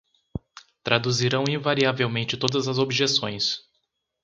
Traduzirão invariavelmente todas as objeções